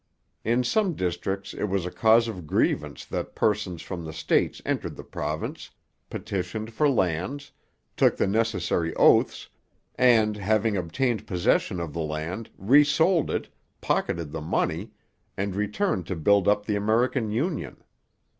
In some districts it was a cause of grievance that persons from the States entered the province, petitioned for lands, took the necessary oaths, and, having obtained possession of the land, resold it, pocketed the money, and returned to build up the American Union.